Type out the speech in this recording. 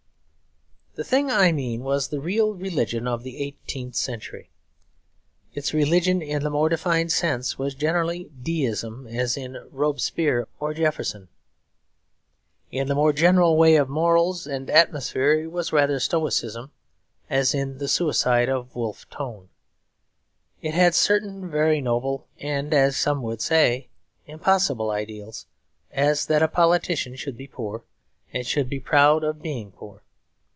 The thing I mean was the real religion of the eighteenth century. Its religion, in the more defined sense, was generally Deism, as in Robespierre or Jefferson. In the more general way of morals and atmosphere it was rather Stoicism, as in the suicide of Wolfe Tone. It had certain very noble and, as some would say, impossible ideals; as that a politician should be poor, and should be proud of being poor.